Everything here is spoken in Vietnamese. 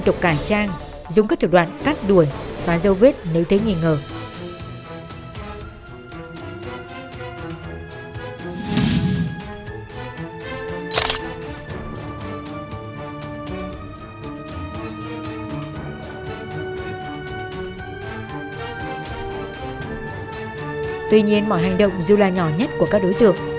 tuy nhiên mọi hành động dù là nhỏ nhất của các đối tượng